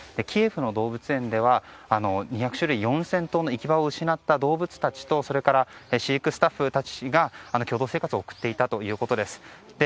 キエフの動物園では２００種類４０００頭の行き場を失った動物たちと飼育スタッフたちが共同生活を送っていたということです。